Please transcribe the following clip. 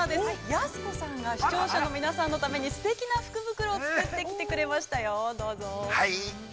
やす子さんが、視聴者の皆さんのためにすてきな福袋を作ってきてくれましたよ、どうぞ。